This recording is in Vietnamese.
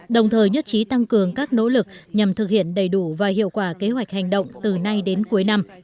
đồng thời nhất trí tăng cường các nỗ lực nhằm thực hiện đầy đủ và hiệu quả kế hoạch hành động từ nay đến cuối năm